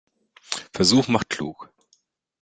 Versuch macht klug.